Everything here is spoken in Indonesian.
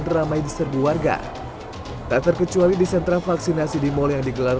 ramai diserbu warga tak terkecuali di sentra vaksinasi di mal yang digelar